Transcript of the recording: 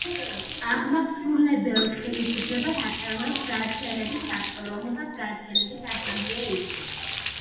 აღმასრულებელ ხელისუფლებას აწარმოებს გაერთიანების საბჭო, რომელსაც გაერთიანების ასამბლეა ირჩევს.